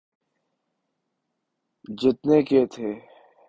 جتنے کے تھے۔